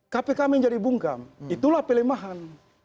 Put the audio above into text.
kpk menjadi bungkam itulah pelemahan